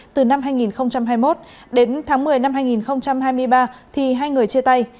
từ năm hai nghìn hai mươi một đến tháng một mươi năm hai nghìn hai mươi ba thì hai người chia tay